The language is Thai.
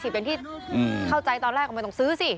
เป็นที่เข้าใจตอนแรกก็ไม่ต้องซื้อสิ